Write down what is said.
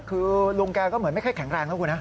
คือลุงแกก็เหมือนไม่ค่อยแข็งแรงนะคุณนะ